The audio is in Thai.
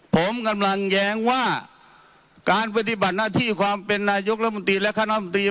ผมกำลังแย้งว่าการปฏิบัติหน้าที่ความเป็นนายกรัฐมนตรีและคณะมนตรี